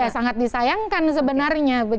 sangat disayangkan sebenarnya